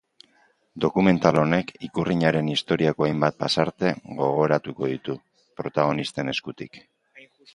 Dokumental honek ikurrinaren historiako hainbat pasarte gogoratuko ditu, protagonisten eskutik.